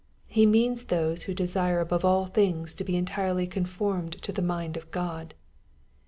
He meana those who desire above all things to be entirely conformed to the mind of God.